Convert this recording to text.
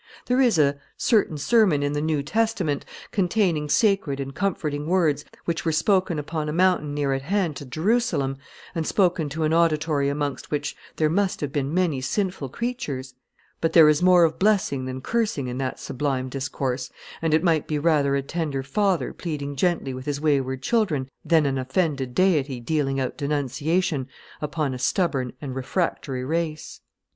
There is a certain sermon in the New Testament, containing sacred and comforting words which were spoken upon a mountain near at hand to Jerusalem, and spoken to an auditory amongst which there must have been many sinful creatures; but there is more of blessing than cursing in that sublime discourse, and it might be rather a tender father pleading gently with his wayward children than an offended Deity dealing out denunciation upon a stubborn and refractory race.